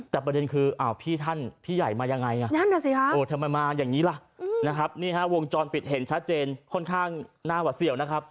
เสียดไปเลยนะนั้นเนอะสิแต่ประเด็นคือ